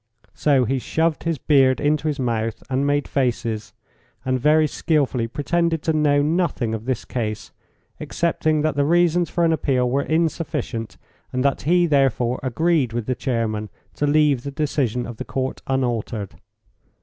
So he shoved his beard into his mouth and made faces, and very skilfully pretended to know nothing of this case, excepting that the reasons for an appeal were insufficient, and that he, therefore, agreed with the chairman to leave the decision of the Court unaltered.